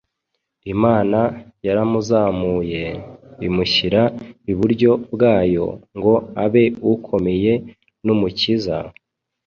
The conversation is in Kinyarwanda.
Imana yaramuzamuye, imushyira iburyo bwayo, ngo abe Ukomeye n’Umukiza,